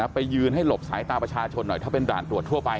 ไปยืนให้หลบสายตาประชาชนหน่อยถ้าเป็นด่านตรวจทั่วไป